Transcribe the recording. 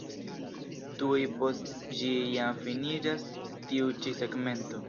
Tuj post ĝi jam finiĝas tiu ĉi segmento.